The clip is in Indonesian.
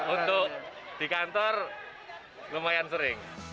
untuk di kantor lumayan sering